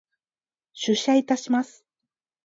出社いたします。